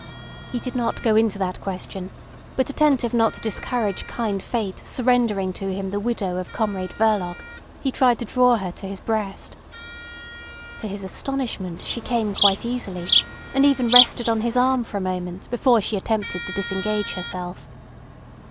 He did not go into that question, but attentive not to discourage kind fate surrendering to him the widow of Comrade Verloc, he tried to draw her to his breast. To his astonishment she came quite easily, and even rested on his arm for a moment before she attempted to disengage herself.